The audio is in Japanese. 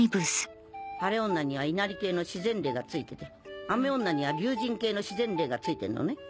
晴れ女には稲荷系の自然霊がついてて雨女には龍神系の自然霊がついてるのね。